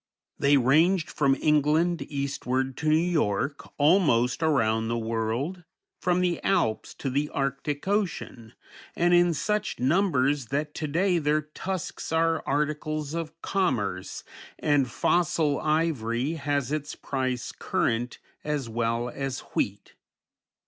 They ranged from England eastward to New York, almost around the world; from the Alps to the Arctic Ocean; and in such numbers that to day their tusks are articles of commerce, and fossil ivory has its price current as well as wheat.